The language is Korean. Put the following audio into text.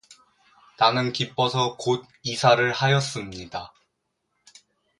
나는 기뻐서 곧 이사를 하였습니다